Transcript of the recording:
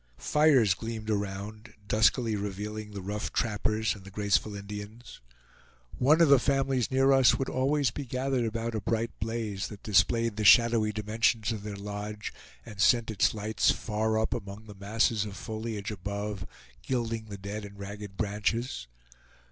Fires gleamed around, duskily revealing the rough trappers and the graceful Indians. One of the families near us would always be gathered about a bright blaze, that displayed the shadowy dimensions of their lodge, and sent its lights far up among the masses of foliage above, gilding the dead and ragged branches.